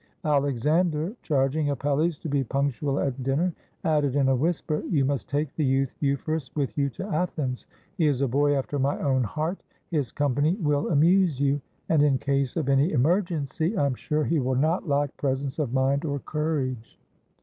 Alexander, charging Apelles to be punctual at dinner, added in a whisper, "You must take the youth Eu phorus with you to Athens; he is a boy after my own heart; his company will amuse you, and in case of any emergency, I am sure he will not lack presence of mind or courage."